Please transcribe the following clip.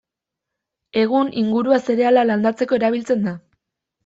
Egun ingurua zereala landatzeko erabiltzen da.